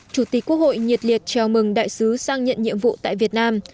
chủ tịch quốc hội nhiệt liệt chào mừng đại sứ sang nhận nhiệm vụ tại việt nam